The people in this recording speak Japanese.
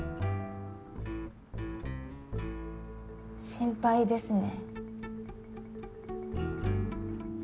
心配ですね。